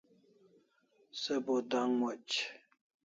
Se bo d'ang moch